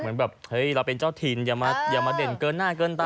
เหมือนแบบเฮ้ยเราเป็นเจ้าถิ่นอย่ามาเด่นเกินหน้าเกินตา